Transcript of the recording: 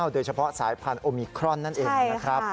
โดยเฉพาะสายพันธุมิครอนนั่นเองนะครับ